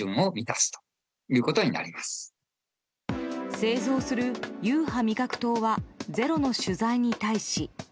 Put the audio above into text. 製造するＵＨＡ味覚糖は「ｚｅｒｏ」の取材に対し。